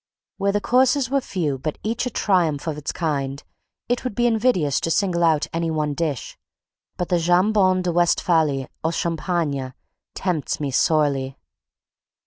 Where the courses were few, but each a triumph of its kind, it would be invidious to single out any one dish; but the Jambon de Westphalie au Champagne tempts me sorely.